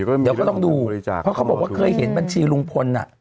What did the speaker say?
เดี๋ยวก็ต้องดูบริจาคเพราะเขาบอกว่าเคยเห็นบัญชีลุงพลน่ะ